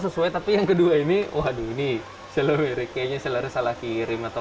saya beli tapi biasanya satu dua hari